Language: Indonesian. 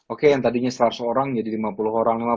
oke yang tadinya seratus orang jadi lima puluh orang lah